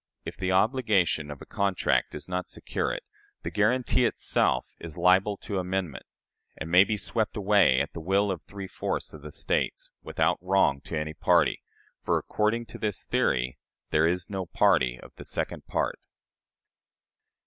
If the obligation of a contract does not secure it, the guarantee itself is liable to amendment, and may be swept away at the will of three fourths of the States, without wrong to any party for, according to this theory, there is no party of the second part.